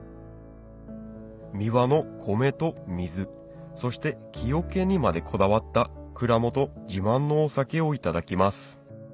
三輪の米と水そして木桶にまでこだわった蔵元自慢のお酒をいただきます